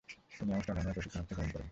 তিনি আমস্টারডামে প্রশিক্ষণার্থে গমন করেন।